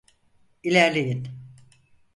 İlerleyin.